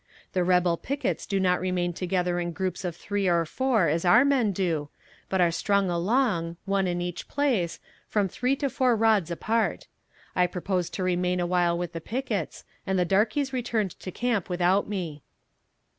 The rebel pickets do not remain together in groups of three or four as our men do, but are strung along, one in each place, from three to four rods apart. I proposed to remain a while with the pickets, and the darkies returned to camp without me.